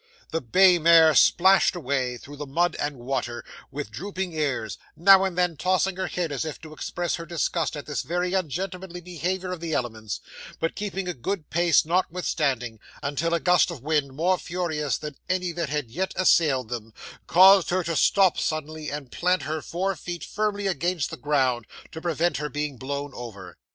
'The bay mare splashed away, through the mud and water, with drooping ears; now and then tossing her head as if to express her disgust at this very ungentlemanly behaviour of the elements, but keeping a good pace notwithstanding, until a gust of wind, more furious than any that had yet assailed them, caused her to stop suddenly and plant her four feet firmly against the ground, to prevent her being blown over.